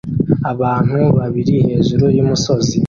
abantu babiri hejuru yumusozi